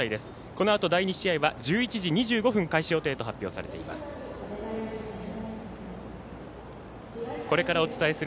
このあと第２試合は１１時２５分開始予定と発表されています。